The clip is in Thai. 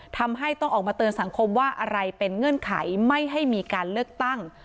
ทำให้ต้องออกมาเตือนสังคมว่าอะไรเป็นเงื่อนไขไม่ให้มีการเลือกตั้ง